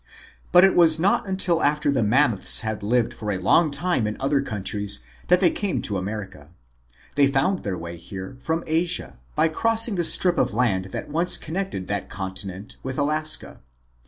But it was not until after the Mammoths had lived for a long time in other countries that they came to America. They found their way here from Asia by crossing the strip of land that once connected that continent with Alaska.